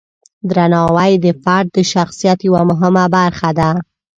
درناوی د فرد د شخصیت یوه مهمه برخه ده.